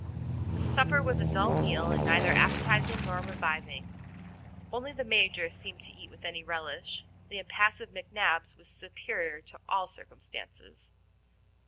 The supper was a dull meal, and neither appetizing nor reviving. Only the Major seemed to eat with any relish. The impassive McNabbs was superior to all circumstances.